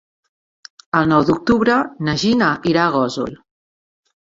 El nou d'octubre na Gina irà a Gósol.